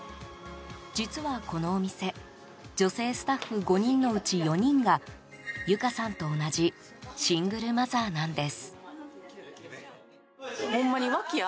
実は、このお店女性スタッフ５人のうち４人が由香さんと同じシングルマザーなんです。